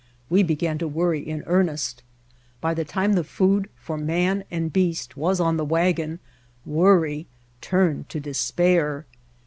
We began to worry in earnest. By the time the food for man and beast was on the wagon worry turned to despair.